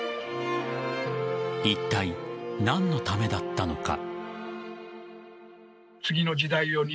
いったい何のためだったのか。